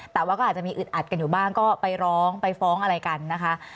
แต่ว่าก็อาจจะมีอึดอัดกันอยู่บ้างก็ไปร้องไปฟ้องอะไรกันนะคะ